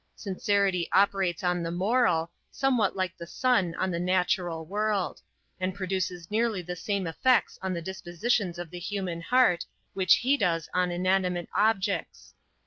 Sincerity operates on the moral, somewhat like the sun on the natural world; and produces nearly the same effects on the dispositions of the human heart, which he does on inanimate objects.